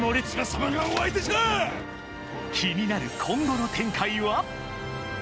気になる今後の展開は。